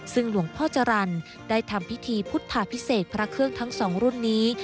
ซึ่งหลวงพ่อจรรย์ได้ทำพิธีพุทธาพิเศษพระเครื่องทั้งสองรุ่นนี้